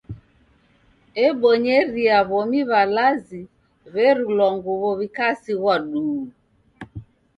Ebonyeria w'omi w'alazi w'erulwa nguw'o w'ikasighwa duu.